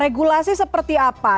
regulasi seperti apa